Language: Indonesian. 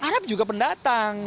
arab juga pendatang